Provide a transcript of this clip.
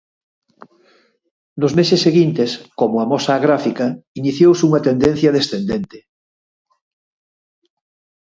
Nos meses seguintes, como amosa a gráfica, iniciouse unha tendencia descendente.